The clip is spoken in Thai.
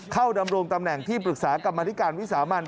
ดำรงตำแหน่งที่ปรึกษากรรมธิการวิสามัน